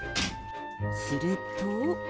すると。